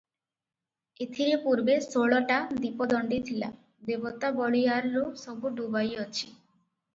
ଏଥିରେ ପୂର୍ବେ ଷୋଳଟା ଦୀପଦଣ୍ତିଥିଲା, ଦେବତା ବଳିଆରରୁ ସବୁ ଡୁବାଇଅଛି ।